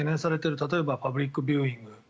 例えばパブリックビューイング